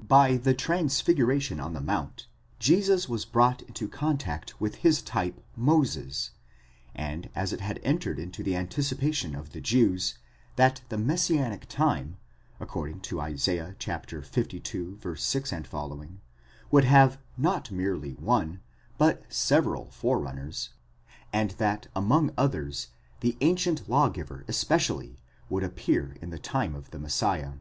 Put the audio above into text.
5 By the transfiguration on the mount Jesus was brought into contact with his type Moses, and as it had entered into the anticipation of the Jews that the messianic time, according to Isa. lii. 6 ff, would have not merely one, but several forerunners,!® and that among others the ancient lawgiver especially would appear in the time of the Messiah : 17.